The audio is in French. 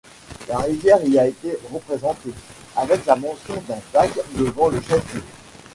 La rivière y était représentée, avec la mention d'un bac devant le chef-lieu.